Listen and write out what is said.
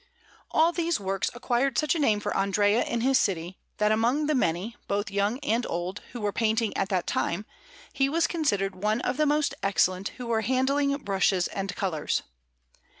All these works acquired such a name for Andrea in his city, that among the many, both young and old, who were painting at that time, he was considered one of the most excellent who were handling brushes and colours.